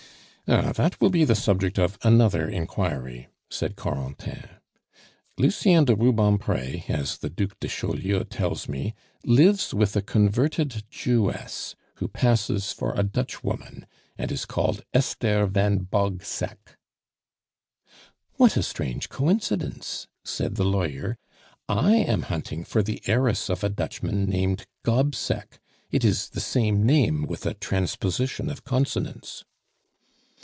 "Ah, that will be the subject of another inquiry," said Corentin. "Lucien de Rubempre, as the Duc de Chaulieu tells me, lives with a converted Jewess, who passes for a Dutch woman, and is called Esther van Bogseck." "What a strange coincidence!" said the lawyer. "I am hunting for the heiress of a Dutchman named Gobseck it is the same name with a transposition of consonants."